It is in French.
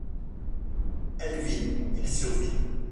Elle vit, il survit.